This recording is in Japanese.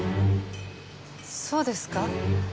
そうですか？